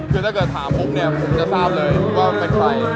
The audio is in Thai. คือถ้าเกิดถามปุ๊บเนี่ยผมจะทราบเลยว่าเป็นใคร